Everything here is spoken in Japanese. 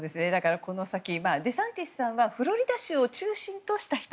この先デサンティスさんはフロリダ州を中心とした人。